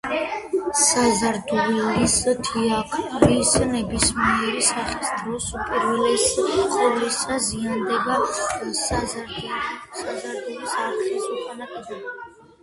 საზარდულის თიაქრის ნებისმიერი სახის დროს უპირველეს ყოვლისა ზიანდება საზარდულის არხის უკანა კედელი.